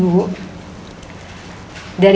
gak ada istri